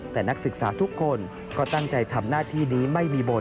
แต่นักศึกษาทุกคนก็ตั้งใจทำหน้าที่นี้ไม่มีบท